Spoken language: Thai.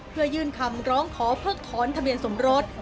เพื่อยื่นคำร้องขอเพิกถอนทะเบียนสมรส